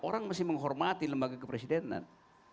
orang masih menghormati lembaga kepresidenan